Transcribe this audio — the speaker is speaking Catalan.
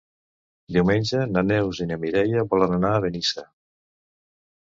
Diumenge na Neus i na Mireia volen anar a Benissa.